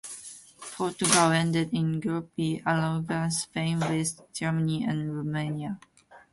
Portugal ended in group B, alongside Spain, West Germany and Romania.